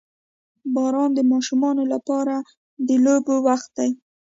• باران د ماشومانو لپاره د لوبو وخت وي.